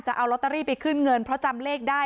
จะเอาลอตเตอรี่ไปขึ้นเงินเพราะจำเลขได้